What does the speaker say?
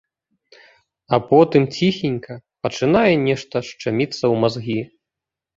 А потым ціхенька пачынае нешта шчаміцца ў мазгі.